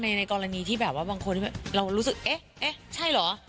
ในกรณีที่แบบว่าบางคนเรารู้สึกเอ๊ะใช่เหรอ